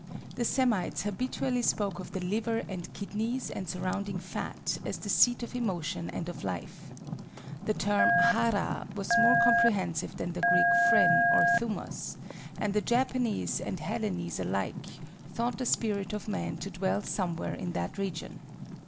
The Semites habitually spoke of the liver and kidneys and surrounding fat as the seat of emotion and of life. The term hara was more comprehensive than the Greek phren or thumos and the Japanese and Hellenese alike thought the spirit of man to dwell somewhere in that region.